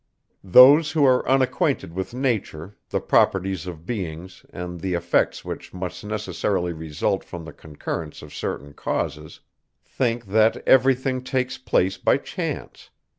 Those, who are unacquainted with nature, the properties of beings, and the effects which must necessarily result from the concurrence of certain causes, think, that every thing takes place by chance.